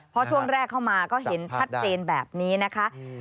เพราะช่วงแรกเข้ามาก็เห็นชัดเจนแบบนี้นะคะ